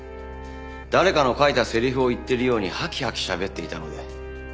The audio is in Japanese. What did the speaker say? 誰かの書いたセリフを言ってるようにハキハキしゃべっていたので。